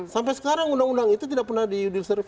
sampai sekarang undang undang itu tidak pernah di survey